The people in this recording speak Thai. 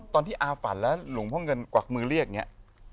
ตอนที่อาฝันแล้วหลวงพ่อเงินกวักมือเรียกอย่างนี้